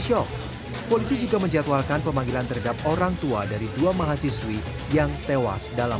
shock polisi juga menjatuhkan pemanggilan terhadap orang tua dari dua mahasiswi yang tewas dalam